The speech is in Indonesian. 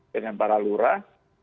dengan para lurah